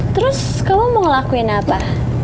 terus kamu mau ngelakuin apa